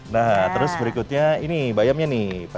nah terus berikutnya ini bayamnya nih